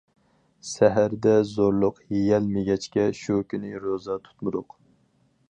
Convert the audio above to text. سەھەردە زولۇق يېيەلمىگەچكە شۇ كۈنى روزا تۇتمىدۇق.